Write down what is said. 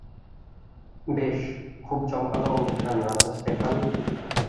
বেশ, খুব জমকালো অনুষ্ঠান, রাজা স্টেফান।